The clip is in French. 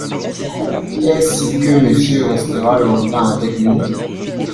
Est-ce que Monsieur restera longtemps avec nous ?